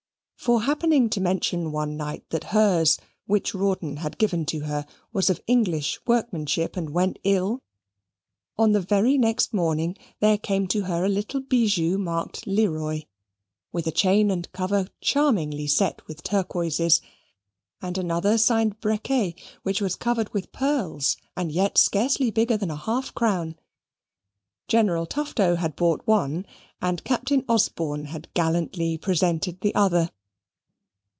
For, happening to mention one night that hers, which Rawdon had given to her, was of English workmanship, and went ill, on the very next morning there came to her a little bijou marked Leroy, with a chain and cover charmingly set with turquoises, and another signed Brequet, which was covered with pearls, and yet scarcely bigger than a half crown. General Tufto had bought one, and Captain Osborne had gallantly presented the other.